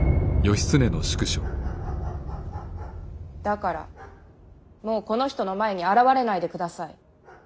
だからもうこの人の前に現れないでください。